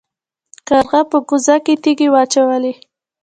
کارغه په کوزه کې تیږې واچولې.